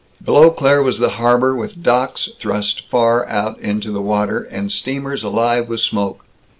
Below Claire was the harbor, with docks thrust far out into the water, and steamers alive with smoke.